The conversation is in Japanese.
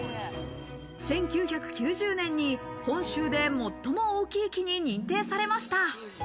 １９９０年に本州で最も大きい木に認定されました。